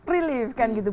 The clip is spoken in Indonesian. relief kan gitu